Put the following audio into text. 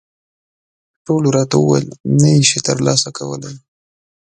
ټولو راته وویل، نه یې شې ترلاسه کولای.